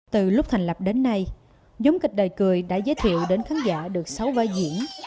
từ lúc thành lập đến nay nhóm kịch đời cười đã giới thiệu đến khán giả được sáu vai diễn